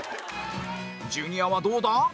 ジュニアはどうだ？